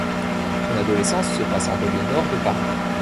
Son adolescence se passe en banlieue nord de Paris.